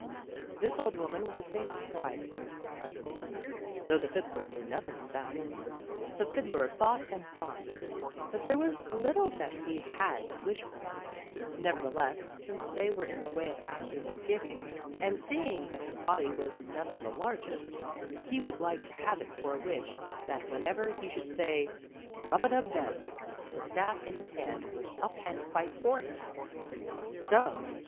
*' This old woman was a famous wise one, I can tell you, though the fiddler knew nothing of that. The fiddler thought and thought, but there was little that he had to wish for; nevertheless, since they were in the way of asking and giving, and seeing that his body was none of the largest, he would like to have it for a wish that whenever he should say, " Rub a^dub dub," the staff in his hand would up and fight for him. So